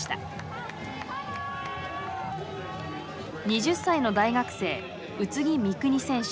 ２０歳の大学生宇津木美都選手。